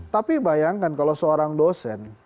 tapi bayangkan kalau seorang dosen